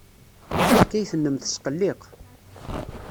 Taḥkayt-nnem tesqelliq.